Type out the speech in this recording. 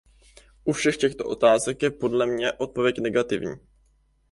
U všech těchto otázek je podle mě odpověď negativní.